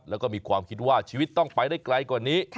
แล้วก็มีความคิดว่าชีวิตต้องไปได้ไกลกว่านี้